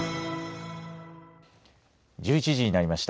１１時になりました。